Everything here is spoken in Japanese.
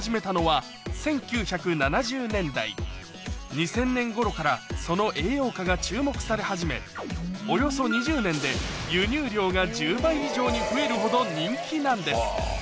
２０００年頃からその栄養価が注目され始めおよそ２０年で輸入量が１０倍以上に増えるほど人気なんです